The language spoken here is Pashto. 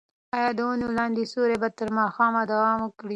ایا د ونې لاندې سیوری به تر ماښامه دوام وکړي؟